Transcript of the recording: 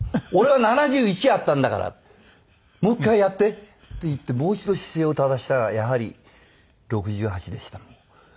俺は７１あったんだからもう一回やって」って言ってもう一度姿勢を正したらやはり６８でした。